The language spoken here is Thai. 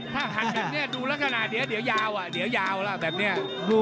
ถ้าหันแบบนี้ดูแล้วก็น่าเดี๋ยวยาวอะเดี๋ยวยาวแบบนี้